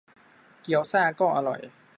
เกี๊ยวซ่าก็อร่อย